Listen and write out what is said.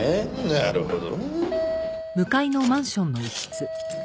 なるほどね。